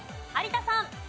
有田さん。